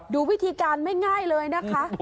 ดูวิธีการไม่ง่ายเลยนะคะ